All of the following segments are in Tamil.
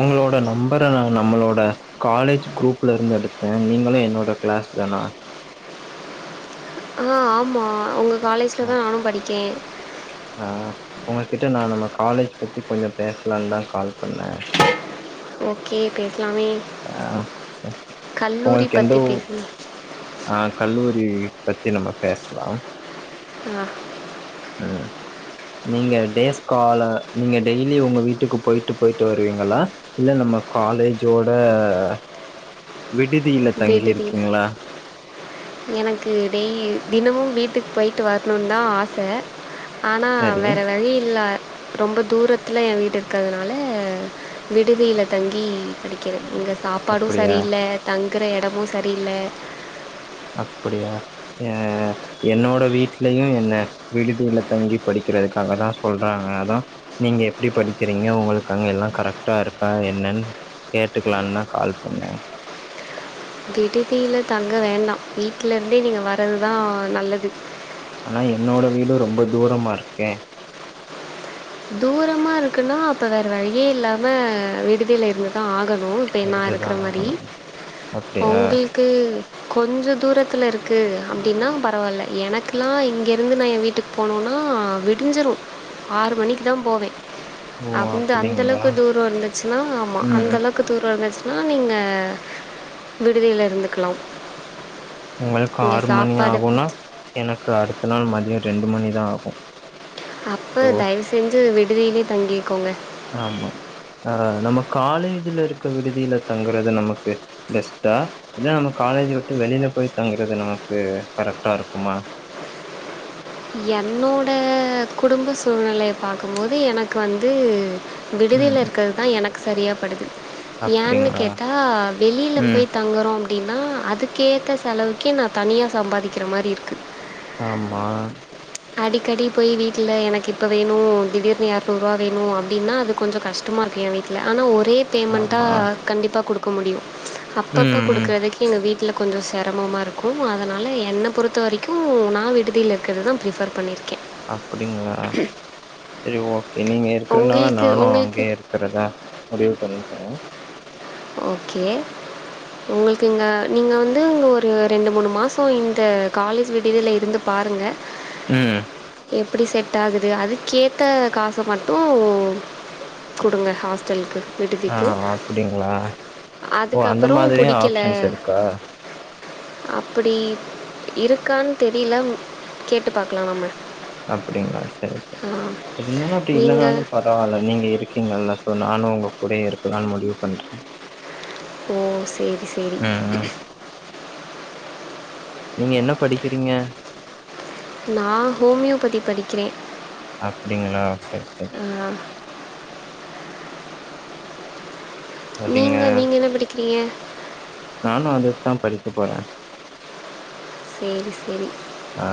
உங்களோட நம்பர நா நம்மளோட காலேஜ் குரூப்ல இருந்து எடுத்தே நீங்களு என்னோட கிளாஸ் தானா அ ஆமா உங்க காலேஜ்ல ஆ தா நானு படிக்கே ஆ உங்ககிட்ட நா நம்ம காலேஜ் பத்தி கொஞ்ச பேசலாம்னு தா கால் பண்ணே ஓகே பேஸ்லாமே ஆ உங்களுக்கு எந்த பற்றி ஊ பேசணும் ஆ கல்லூரி பத்தி நம்ம பேஸ்லா ஆ ஹ நீங்க டேஸ் கால நீங்க டெய்லி உங்க வீட்டுக்கு போயிட்டு போயிட்டு வருவீங்களா இல்ல நம்ம காலேஜோட [unintelligible] விடுதியில் பீட்டுதி எனக்கு டெய் தினமும் வீட்டுக்கு போயிட்டு வரணுன்னு தா ஆச ஆனா சரி வேற வழி இல்ல ரொம்ப தூரத்துல ஏ வீடு இருக்கறனால விடுதியில தங்கி படிக்கிறே இங்க சாப்பாடு அப்படியா சரியில்ல தங்குகற எடமு சரியில்ல அப்படியா ஏ என்னோட வீட்லயு என்ன விடுதியில தங்கி படிக்கிறதுக்காக தா சொல்றாங்க அதா நீங்க எப்டி படிக்கிறீங்க ஒங்களுக்கு அங்க எல்லா கரெக்ட்டா இருக்கா என்னன்னு கேட்டுக்கலான் தா கால் பண்ணே விடுதில தங்க வேண்ட வீட்டுல இருந்தே நீங்க வர்றதுதா நல்லது ஆனா என்னோட வீடு ரொம்ப தூரமா இர்க்கே தூரமா இருக்குன்னா அப்ப வேற வழியே இல்லாம விடுதியில இருந்து தா ஆகணு பெண்ணா இருந்துதா இருக்குற மாரி ஆகணு அப்டியா ஒங்ளுக்கு கொஞ்ச தூரத்துல இருக்கு அப்டின்னா பரவாயில்ல எனக்குல்லா இங்க இருந்து நா ஏ வீட்டுக் போனோன்னா விடிஞ்சிரு ஆறு மணிக்கு தா போவே ஓ அந்த அந்த அப்டிங்களா அளவுக்கு தூர இருந்துச்சுன்னா ஆமா அந்த ம் அளவு க்கு தூர வந்துச்சுன்னா நீங்க விடுதில இருந்துக்கலா உங்களுக்கு ஆறு மணி ஆகுனா எனக்கு அடுத்த நாள் மதியோ ரெண்டு மணி தா ஆகு அப்ப சோ தயவு செஞ்சு விடுதிலயே தங்கிக்கோங்க ஆமா ஆ நம்ம காலேஜ்ல இருக்க விடுதியில தங்குறது நமக்கு பெஸ்ட்டா இல்ல நம்ம காலேஜ் விட்டு வெளியில போய் தங்குறது நமக்கு கரெக்ட்டா இருக்குமா என்னோட குடும்ப சூழ்நிலைய பாக்கும்போது எனக்கு வந்து விடுதில ம் இருக்கதுதா எனக்கு சரியாபடுது யானு அப்டிங்களா கேட்டா வெளியில ம் போய் தங்கோறோ அப்டின்னா அதுக்கேத்த செலவுக்கே நா தனியாக சம்பாதிக்கிற மாரி இருக்கு ஆமா அடிக்கடி போய் வீட்டுல எனக்கு இப்போ வேணு திடீர்னு இறநூறுவா வேணு அப்டின்னா அது கொஞ்சோ கஷ்டோ ட்டுமா இக்கு ஏ வீட்டுல ஆனா ஒரே ஆமா பேமெண்ட்டாக கண்டிப்பாக குடுக்க முடியு அப்பப்போ ம் ம் குடுக்குறதுக்கு எங்க வீட் ட்டில கொஞ்சோ சிரமமா இருக்கு அதுனால என்ன பொறுத்த வரைக்கு நா விடுதியில இருக்கிறது தா ரிபர் பண்ணிருக்கே அப்டிங்களா சரி ஓகே நீங்க இருக்கறனால உங்களுக்கு நானு உங்களுக்கு அங்கயே இருக் கறதா முடிவு பண்ணிக்கிறே ஓகே உங்களுக்கு இங்க நீங்க வந்து இங்க ஒரு ரெண்டு மூணு மாசோ இந்த காலேஜ் விடுதில இருந்து பாருங்க ம் எப் பிடி செட் ஆகுது அதுக்கேத்த காச மட்டு குடுங்க ஹாஸ்டலுக்கு ஆ வீடுதிக்கு அப்டிங்களா ஓ அந்த மாதிரியு ஆப்ஷன்ஸ் இருக்கா அப்டி இருக்கானு தெரில கேட்டு பாக்கலா நம்ம அப்படிங்களா சேரி சேரி இருந்தாலு அப்டி நீங்கள் இல்லனாலு ப பரவால்ல நீங்க இருக்கீங்களல்ல ஸோ நானு உங்க கூட இருக்கலான்னு முடிவு பண்ணிடே ஓ சேரி சேரி ம் ம் நீங்க என்ன படிக்கிறீங்க நா ஹோமியோபதி படிக்கிறே அப்டிங்களா சேரி சேரி ஆ சரிங்க நீங்க நீங்க என்ன படிக்கிறீங்க நானு அதுக்கு தா படிக்க போறே சேரி சேரி ஆ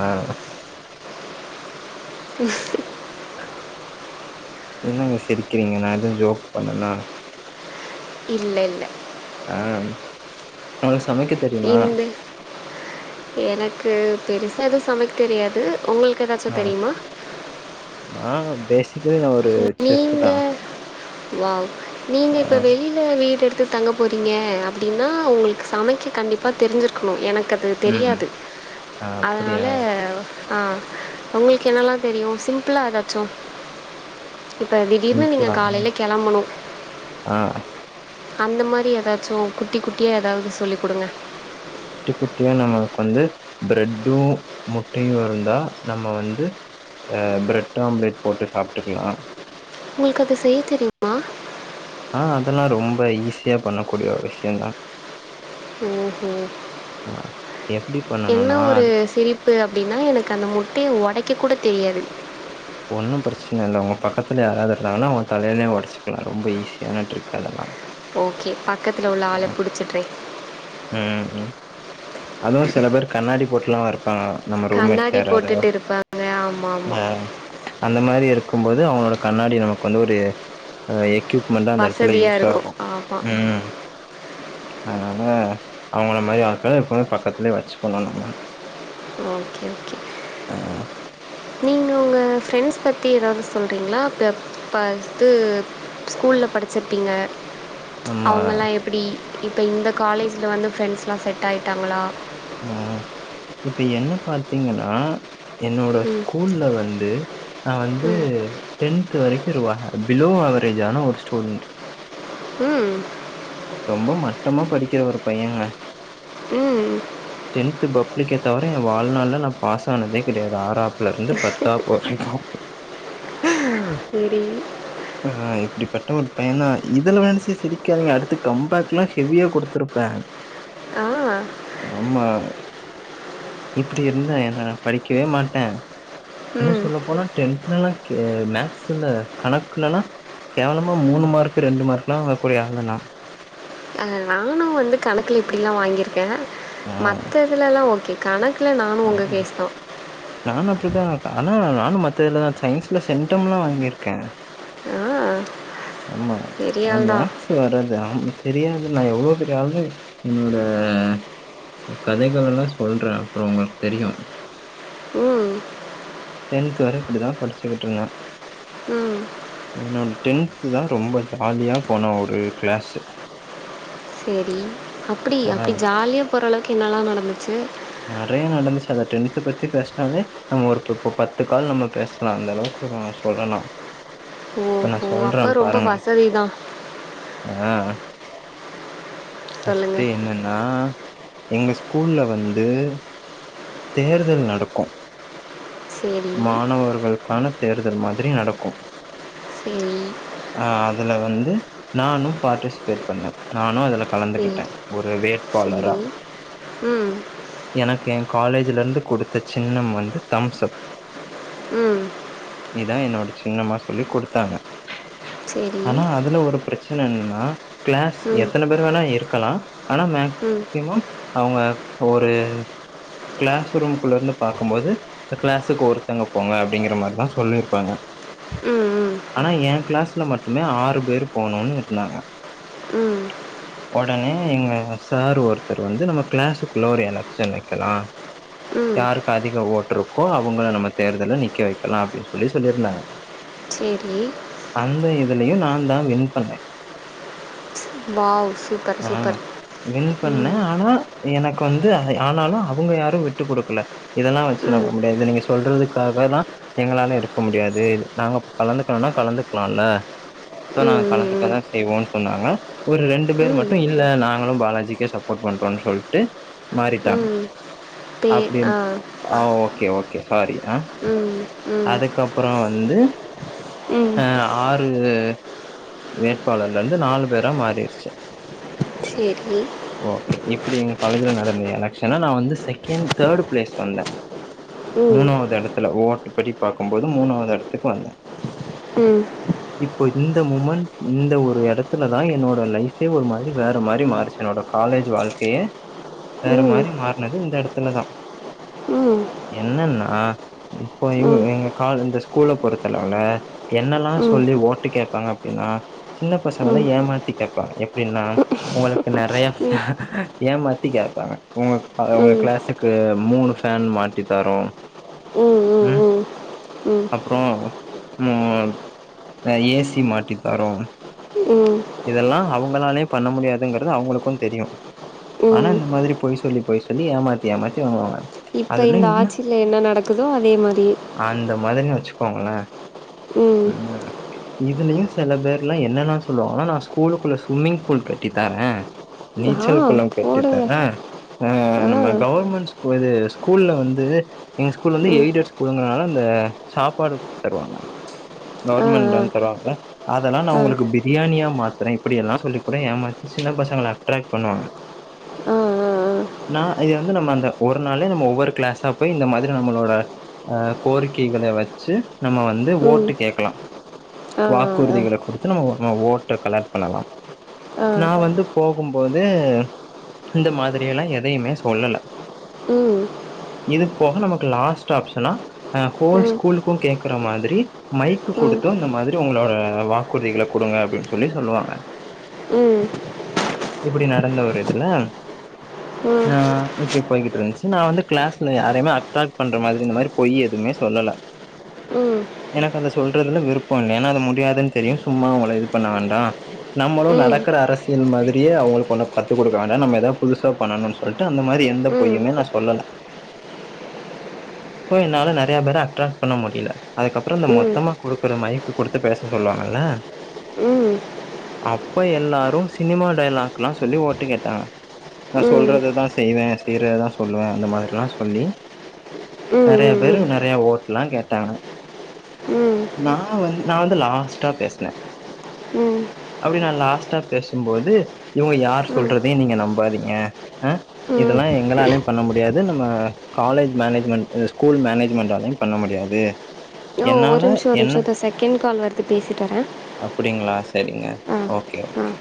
எனங்க சிரிக்கிறீங்க நா எதும் ஜோக் பண்ணேனா இல்ல இல்ல ஆ உங்கள்கக சமைக்கத் இல்ல எனக்கு பெருசா எதும் சமைக்க தெரியாது உங்களுக் க்கு ஏதாச்சு தெரியுமா ஆ ஆ பேசிக்கலி நா ஒர் நீங்க வாவ் நீங்க இப்ப ஆ வெளியி வீடு எடுத்து தங்க போறீங்க அப்டினா உங்களுக்கு சமைக்க கண்டிப்பா தெரிஞ்சிருக்கணு எனக்கு அப் அது ம் ம். தெரியாது ஆ அப்டியா அதுனால ஆ உங்களுக்கு எனல்லா தெரியு சிம்பிளா ஏதாச்சு இப்ப திடீர்னு நீங்க சிம்பிளா காலைல கெளம்பணு ஆ அந்த மாரி ஏதாச்சு குட்டி குட்டியா ஏதாவது சொல்லி குடுங்க குட்டி குட்டியா நம்மக்கு வந்து பிரெட்டு முட்டயு இருந்தா நம்ப வந்து ஆ பிரட் ஆம்லெட் போட்டு சாப்டுகலா உங்களுக்கு அது செய்ய தெரியும் ஆ அதெல்லா ரொம்ப ஈஸியா பண்ணக்கூடிய விஷயோ தா ஓ ஓ ஆ எப்டி என்ன பண்ணணுனா ஒரு அதுக்கு சிரிப் பு அப்டினா எனக்கு அந்த முட்டையை உடைக்க கூட தெரியாது ஒன்னு பிரச்சன இல்ல உங்க பக்கத்துல யாராவது இருந்தாங்கன்னா அவுங்க தலையிலையு உடச்சிக்கலா ரொம்ப ஈஸியான ட்ரிக் அதெல்லா ஓகே பக்கத்துல உள்ள ஆள பிடிச்சிட்றே ம் ம் அதுவு சில பேரு கண்ணாடி போட்டுலா வப்பாங்க நம்ம ரூம்மேட்ஸ் கண்ணாடி யாராது போட்டுட்டு இருப்பாங்க ஆமா ஆமா ஆ அந்த மாதிரி இருக்கும்போது அவங்களோட கண்ணாடி நமக்கு வந்து ஒரு எக்யூப்மெண்டா அந்த எடத்துல வசதியா இருக்கும் யூஸாகு ஆமா ம் அதனால அவங்கள மாரி ஆக்க எப்போம் பக்கத்லயே வச்சுக்கணும் நம்ம ஓகே ஓகே ஆ நீங்க உங்க ஃப்ரெண்ட்ஸ் பத்தி ஏதாவது சொல்றீங்களா ப்ர பாத்து ஸ்கூல்ல படிச்சிருப்பீங்க நம்ம அவங்கல்லா எப்டி இப்ப இந்த காலேஜ்ல வந்து ஃப்ரெண்ட்ஸ்லா செட் ஆயிட்டாங்களா ம் இப்ப என்ன பாத்தீங்கன்னா என்னோட ம் ஸ்கூல வந்து நா வந்து ம் டென்து வரைக்கு ருவாக பிலோ அவரேஜான ஒரு ஸ்டூடண்ட் ம் ரொம்ப மட்டமா படிக்கிற ஒரு பையங்க ம் டென்த்து பப்ளிக்க தவிர எ வாழ்நாள்ல் நா பாஸ் ஆனதே கெடையாது ஆறாப் ல இருந்து பத்தாப்பு வரைக்கு சரி அ இப்புடிப்பட்ட ஒரு பைய தா நா இதல நெனச்சி சிரிக்காதீங்க அடுத்து கம்பேக்லா ஹெவியா குடுத்துருப்பே ஆ ஆமா இப்பிடி இருந்த ஏ நா படிக்கவே மாட்டே இன்னு ம் சொல்ல போனா டென்த்லல்லா மேக்ஸ்ல கணக்குலல்லா கேவலமா மூணு மார்க் ரெண்டு மார்க்லா வங்கக்கூடிய ஆளுனா அது நானு வந்து கணக்குல இப்டில்லா வாங்கியிருக்கே ஆ மற்ற இதுலல்லா ஓகே கணக்குல நானு ஆ உங்க கேஸ் தா நானு அப்டிதா ஆனா நானு மத்த இதுலலா சயின்ஸ்ல சென்டம்லா வாங்கிருக்கே ஆஹ் ஆம்மா ஆன் மேக்ஸ் வராது ஆமா தெரியாது நா எவ்ளோ பெரிய ஆளுனு என்னோட கதைகலல்லா சொல்றே அப்புறம் உங்களுக்கு தெரியு ம் டென்த் வரை இப்டிதா படிச்சுக்கிட் ருந்தே ம் என்னோட டென்த்து தா ரொம்ப ஜாலியா போன ஒரு கிளாஸு சரி அப்டி அப்டி ஆ ஜாலிய போறளவுக்கு என்னல்லா நடந்துச்சு நெறையா நடந்துச்சு அத டென்த்து பத்தி பேஸ்னாவே நம்ம ஒரு இப்பப்ப பத்து கால் நம்ம பேசலா அந்த அளவுக்கு நா சொல்லலா இப்ப நா ஓஹோ சொல்ற அப்போ ரொம்ப பாருங்கஸ வசதி தான் ஆ ஃபஸ்ட்டு சொல்லுங்கள் என்னனா எங்க ஸ்கூல வந்து தேர்தல் நடக்கு சரி மாணவர்களுக்கான தேர்தல் மாதிரி நடக்கு சரி ஆ அதல வந்து நானும் பார்ட்டிசிபேட் பண்ண நானு அதுல சரி கலந்துகிட்டே ஒரு வேட்பாளரா சரி ம் எனக்கு எ காலேஜ்ல இருந்து குடுத்த சின்னம் வந்து தம்ஸ் அப் ம் இதா என்னோட சின்னம்மா சொல்லி குடுத்தாங்க சரி ஆனா அதுல ஒரு பிரச்சன என்னன்னா கிளாஸ் ம் எத்தன பேர் வேணா இருக்கலா ஆனா மேக் ம் சிமம் அவங்க ஒரு கிளாஸ் ரூமக்குள்ள இருந்து பாக்கம்போது கிளாஸ் பத்துக்கு ஒருத்தங்க போங்க அப்படிங்கிற மாரிதா சொல்லியிருப்பாங்க ம் ம் ஆனா ஏ கிளாஸ்ல மட்டுமே ஆறு பேர் போனுன்னு இருந்தாங்க ம் ஒடனே எங்க சார் ஒருத்தர் வந்து நம்ம கிளாஸுக்குள்ள ஒரு எலெக்ஷன் வைக்கலா ம் யாருக்கு அதிக ஓட்டுருக்கோ அவங்கள நம்ம தேர்தல நிக்க வைக்கலா அப்படின்னு சொல்லி சொல்லியிருந்தாங்க செரி அந்த இதுலயு நா தா வின் பண்ணே வாவ் சூப்பர் ஆ சூப்பர் வின் பண்ணே ம் ஆனா எனக்கு வந்து ஆனாலு அவுங்க யாரு விட்டு குடுக்கல இதெல்லா வச்சுலா ம் முடியாது நீங்க சொல்றதுக்காக தா எங்களால இருக்க முடியாது நாங்க கலந்துக்கணுனா கலந்துக்லால சோ நாங்க ம் ம் கலந்துக்கதா செய் வோன்னு சொன்னாங்க ஒரு ரெண்டு பேர் ம் ம் மட்டு இல்ல நாங்களு பாலாஜிக்கே சப்போட் பண்றோன்னு சொல்ட்டு மாறிட்டாங்க ம் பே அப்படி ஆ ஆ ஓகே ஓகே சாரி ம் ம் அதுக்கப்பறோ வந்து ம் ஆ ஆறு வேட்பாளர் ல இருந்து நாலு பேரா மாறிருச்சு சேரி ஓகே இப்படி எங்க காலேஜ்ல நடந்த எலக்ஷனா நா வந்து செகண்ட் தேர்டு பிளேஸ் வந்தே ம் மூணாவது எடத்துல ஓட்டு படி பாக்கும்போது மூணாவது எடத்துக்கு வந்தே ம் இப்போ இந்த மூமென்ட் இந்த ஒரு எடத்துல தா என்னோட லைஃபே ஒரு மாதிரி வேற மாதிரி மாறிச்சு என்னோட காலேஜ் வாழ்க்கையே ம் வேற ம் மாரி மாறனது இந்த எடத்துலதா ம் என்னன்னா இப்ப எ ம் ம் எங்க காலு இந்த ஸ்கூல்ல பொறுத்தலவல என்னல்லா ம் ம் ம் சொல்லி ஓட்டு கேட்பாங்க டின்னா சின்ன ம் பசங்கள ஏமாத்தி கேட்பாங்க எப்டின்னா உங்களுக்கு நெறைய ஏமாத்தி கேப்பாங்க உங்க உங்க கிளாஸ் க்கு மூணு ஃபேன் மாட்டி தரோ ட்ட்ட் ம் அப்பறோ ம் ஏ சி மாட்டித்தரோ ம் இதெல்லா அவங்களாலயே பண்ண முடியாதுங்கறது அவங்களுக்கு தெரியு ஆனா ம் இந்த மாதிரி போய் சொல்லி போய் சொல்லி ஏமாத்தி ஏமாத்தி வாங்குவாங்க இப்ப அதுல இந்த இன்னு ஆட்சில என்ன நடக்குதோ அதே மாரியே அந்த மாதிரி வச்சுக்கோங்களே ம் இதுலயும் சில பேர்ல என்னன்னா சொல்லுவாங்கன்னா நா ஸ்கூலுக்குள்ள சும்மிங் பூல் கட்டி தரே ஆ நீச்சல் குளம் கட்டித் போடுங்க தரே ஆ நம்ம கவுர்மெண்ட் ஸ்கூ இது ஸ்கூல்ல வந்து எங்க ஸ்கூல் வந்து ம் எய்டட் ஸ்கூல்ங்கறனால அந்த சாப்பாடு தருவாங்க ஆ கவர்மெண்ட் ஆ லோன் தருவாங்கல்ல அதெல்லா நா ஆ உங்களுக்கு பிரியாணியா மாத்தரே இப்டில்லா சொல்லி கூட ஏமாத்தி சின்ன பசங்கள அட்ராக்ட் பண்ணுவாங்க அ நா இது வந்து நம்ம அந்த ஒரு நாளே நம்ம ஒவ்வொரு கிளாஸா போய் இந்த மாத்ரி நம்மளோட அ கோரிக்கைகள வெச்சு நம்ம வந்து ம் ஓட்டு கேக்கலா ஆ ஆ ஆ குறுதிகள குடுத்து நம்ம ஓட்ட கலெக்ட் பண்ணலா ஆ நா வந்து போகும்போது இந்த மாதிரி எல்லா எதையுமே சொல்லல ம் இது போக நமக்கு லாஸ்ட் ஆப்ஷனா அ ஹோல் ம் ம் ஸ்கூலுக்கு கேக்குற மாத்ரி மைக்கு ம் குடுத்து இந்த மாத்ரி உங்களோட வாக்குறுதிகள குடுங்க அப்டின் சொல்லி சொல்லுவாங்க ம் இப்டி நடந்த ஒரு இதுல ம் அ இப்டி போய்கிட்டு இருந்துச்சி நா வந்து க்ளாஸில யாரையுே அட்ராக்ட் பண்ற மாத்ரி இந்த மாத்ரி பொய் எதுமே சொல்லல [inaudible] எனக்கு அத சொல்றதுல விருப்போ இல்ல ஏனா அது முடியாதுன் தெரியு சும்மா அவுங்கள இது பண்ண வேண்டா நம்மளு நடக்கற ம் அரசியல் மாத்ரியே அவுங்களுக்கு ஒன்னு கத்து குடுக்க வேண்டா நம்ம எதா புதுசா பண்ணணு சொல்ட்டு அந்த மாரி எந்த பொய்யுமே நா சொல்லல [inaudible] அப்போ என்னால நெறைய பேர அட்ராக்ட் பண்ண முடியல அதுக்கப்றோ இந்த மொத்தமா குடுக்குற மைக் குடுத்து பேச சொல்லுவாங்கல்ல ம் அப்ப எல்லாரு சினிமா டைலாக்ல்லா சொல்லி ஓட்டு கேட்டாங்க நா ம் ம் சொல்றதுதா செய்வே செய்யறதுதா சொல்லுவே அந்த மாதிரில்லா சொல்லி ம் நெறையா ம் பேரு நெறையா ஓட்ல்லா கேட்டாங்க ம் ம் நா வந்து நா வந்து லாஸ்டா பேசுனே ம் அப்டி நா லாஸ்டா பேசும்போது இவுங்க யார் ம் சொல்றதையு நீங்க நம்பாதீங்க அ ம் இதெல்லா எங்களாலயு பண்ண முடியாது நம்ம காலேஜ் மேனேஜ்மெண்ட் ஸ்கூல் மேனேஜ்மெண்ட்டாலயு பண்ண முடியாது ஆ ஒரு என்னால நிமிஷோ ஒரு நிமிஷோ இந்த செகண்ட் கால் வருது பேசிட்டு வரே அப்படிங்களா செரிங்க ஓகே ஆ ஓகே